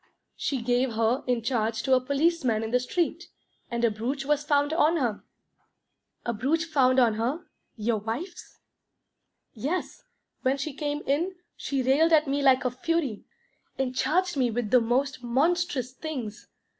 She gave her in charge to a policeman in the street, and a brooch was found on her." "A brooch found on her? Your wife's?" "Yes. When she came in, she railed at me like a fury, and charged me with the most monstrous things.